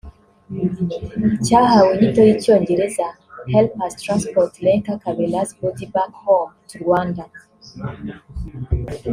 cyahawe inyito y’icyongereza “Help us transport Lynker Kabera’s body back home to Rwanda”